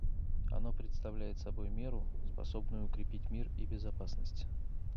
Оно представляет собой меру, способную укрепить мир и безопасность.